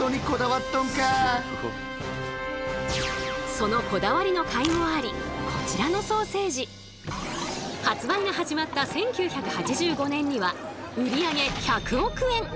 そのこだわりのかいもありこちらのソーセージ発売が始まった１９８５年には売り上げ１００億円。